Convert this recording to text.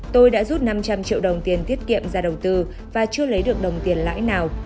tôi đã rút năm trăm linh triệu đồng tiền thiết kiệm ra đầu tư và chưa lấy được đồng tiền lãi nào